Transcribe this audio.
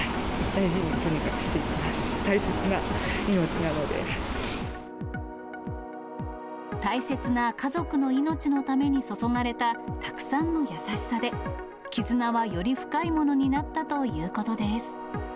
大切な家族の命のために注がれたたくさんの優しさで、絆はより深いものになったということです。